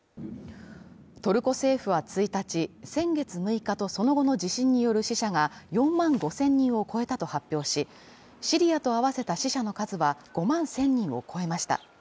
トルコ政府は１日、先月６日その後の地震による死者が４万５０００人を超えたと発表し、シリアと合わせた死者の数は５万１０００人を超えました。